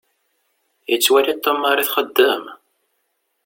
Yettwali Tom Mary txeddem.